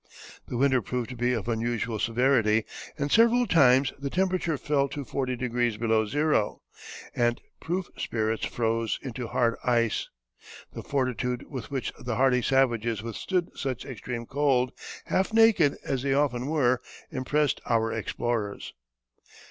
The winter proved to be of unusual severity, and several times the temperature fell to forty degrees below zero, and proof spirits froze into hard ice. The fortitude with which the hardy savages withstood such extreme cold, half naked as they often were, impressed our explorers.